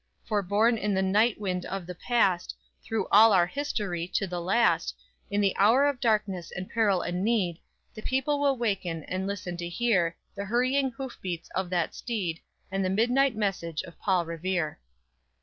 For born on the night wind of the past, Through all our history to the last, In the hour of darkness and peril and need, The people will waken and listen to hear The hurrying hoof beats of that steed, And the midnight message of Paul Revere."